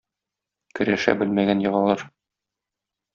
Көрәшә белмәгән егылыр.